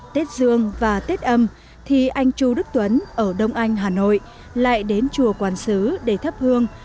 tết dương và tết âm thì anh chu đức tuấn ở đông anh hà nội lại đến chùa quán sứ để thắp hương